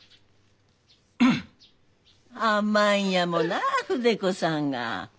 甘いんやもな筆子さんが。